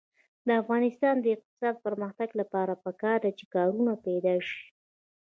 د افغانستان د اقتصادي پرمختګ لپاره پکار ده چې کارونه پیدا شي.